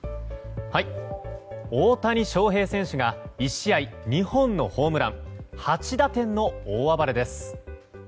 大谷翔平選手が１試合２本のホームラン８打点の大暴れです。